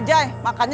biar punya masa depan